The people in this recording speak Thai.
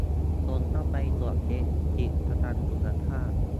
จงเข้าไปตรวจเช็คสิทธิ์ ประกันสุขภาพ